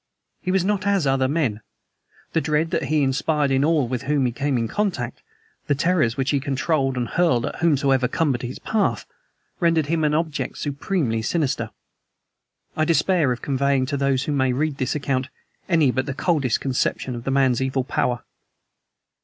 He was not as other men. The dread that he inspired in all with whom he came in contact, the terrors which he controlled and hurled at whomsoever cumbered his path, rendered him an object supremely sinister. I despair of conveying to those who may read this account any but the coldest conception of the man's evil power.